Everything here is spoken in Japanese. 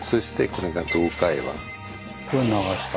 これ流した。